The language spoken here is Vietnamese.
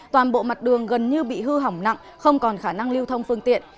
toàn bộ mặt đường gần như bị hư hỏng nặng không còn khả năng lưu thông phương tiện